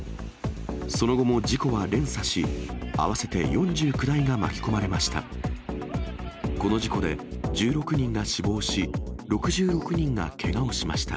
その後も事故は連鎖し、合わせて４９台が巻き込まれました。